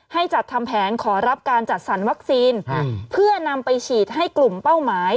ให้จัดทำแผนขอรับการจัดสรรวัคซีนเพื่อนำไปฉีดให้กลุ่มเป้าหมาย